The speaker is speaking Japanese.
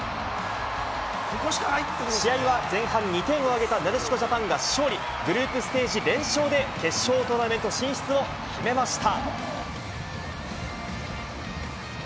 試合は前半２点を挙げたなでしこジャパンが勝利、グループステージ２連勝で決勝トーナメント進出を決めました。